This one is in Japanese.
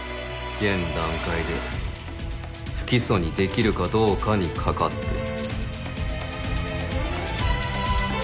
現段階で不起訴にできるかどうかにかかってる。